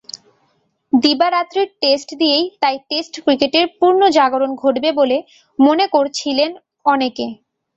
দিবারাত্রির test দিয়েই তাই test ক্রিকেটের পুনর্জাগরণ ঘটবে বলে মনে করছিলেন অনেকে।